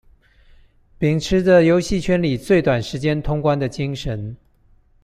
秉持著遊戲圈裡最短時間通關的精神